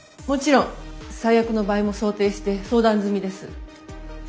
もちろん最悪の場合も想定して相談済みです。